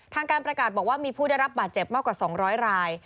ทางการประกาศบอกว่ามีผู้ได้รับบาดเจ็บมากกว่า๒๐๐ราย